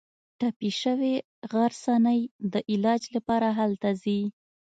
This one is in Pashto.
ټپي شوې غرڅنۍ د علاج لپاره هلته ځي.